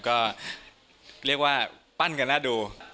ก็เรียกว่าปั้นกันน่าดู